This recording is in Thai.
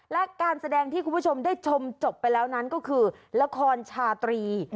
และการแสดงที่คุณผู้ชมได้ชมจบไปแล้วนั้นก็คือละครชาตรี